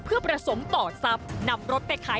เพื่อประสมต่อทรัพย์